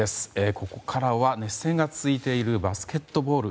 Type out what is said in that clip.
ここからは熱戦が続いているバスケットボール。